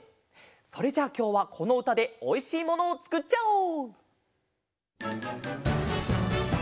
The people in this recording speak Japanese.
それじゃあきょうはこのうたでおいしいものをつくっちゃおう！